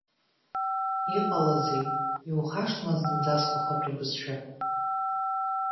Иҟалазеи, иухашҭма зынӡак ухатәы бызшәа?